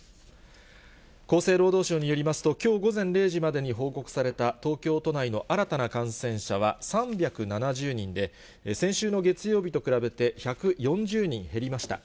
厚生労働省によりますと、きょう午前０時までに報告された東京都内の新たな感染者は３７０人で、先週の月曜日と比べて１４０人減りました。